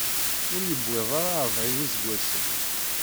Ur yewwiḍ ara rebɛin iseggasen.